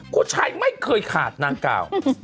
ผู้ชายไม่เคยขาดนางกล่าว